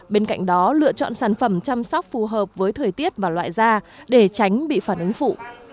bên cạnh đó lựa chọn sản phẩm chăm sóc phù hợp với thời tiết và loại da để tránh bị phản ứng phụ